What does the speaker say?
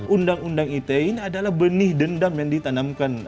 undang undang ite ini adalah benih dendam yang ditanamkan